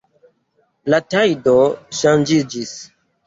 La tajdo ŝanĝiĝis.